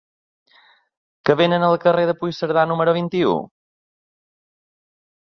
Què venen al carrer de Puigcerdà número vint-i-u?